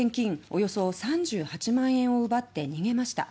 およそ３８万円を奪って逃げました。